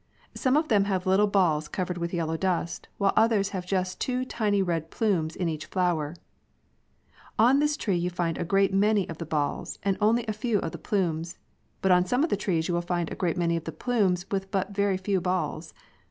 Some of them have little balls covered with yellow dust, while others have just two tiny red plumes in each flower (Figures 2 and 3). On this tree you find a great many of the balls and only a few of the plumes ; but on some of the trees you will find a great many of the plumes with but very few balls.